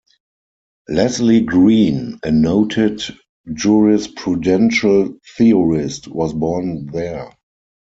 Leslie Green, a noted jurisprudential theorist was born there.